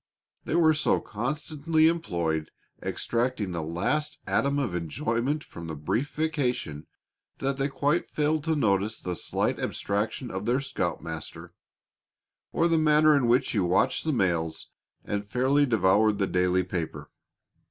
They were so constantly employed extracting the last atom of enjoyment from the brief vacation that they quite failed to notice the slight abstraction of their scoutmaster, or the manner in which he watched the mails and fairly devoured the daily paper.